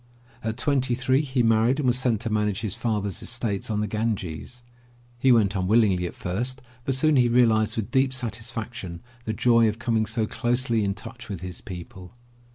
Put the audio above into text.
At twenty three he married and was sent to manage his father's estates on the Ganges. He went unwillingly at first, but soon he realized with deep satisfaction the joy of coming so closely in touch with his people.